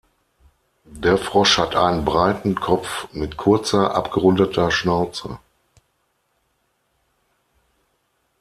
Der Frosch hat einen breiten Kopf mit kurzer, abgerundeter Schnauze.